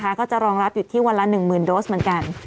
ก็จะรองรับอยู่ที่วันละ๑๐๐๐โดสเหมือนกัน